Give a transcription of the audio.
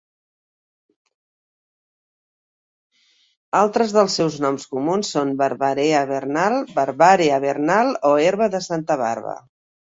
Altres dels seus noms comuns són barbarea vernal, barbàrea vernal o herba de Santa Barba.